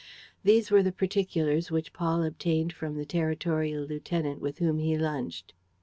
These were the particulars which Paul obtained from the territorial lieutenant with whom he lunched.